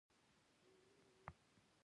هغه وویل: نیمایي که بشپړ؟